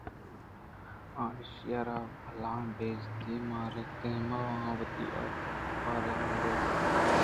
آ ایشی ءَرا بلاہیں بے عزتی ئے ماراِت ءُدمان ءَ وتی اوپارے یلّہ دات